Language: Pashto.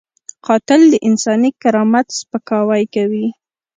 قاتل د انساني کرامت سپکاوی کوي